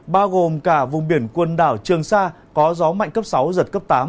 bao gồm cả vùng biển quần đảo trường sa có gió mạnh cấp sáu giật cấp tám